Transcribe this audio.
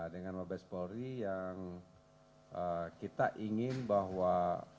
dengan mabes polri yang kita ingin bahwa